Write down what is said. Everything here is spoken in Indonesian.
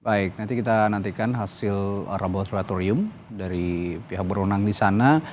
baik nanti kita nantikan hasil laboratorium dari pihak berwenang di sana